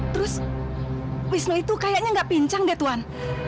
terus wisnu itu kayaknya nggak pincang deh tuhan